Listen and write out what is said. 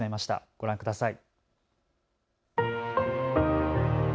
ご覧ください。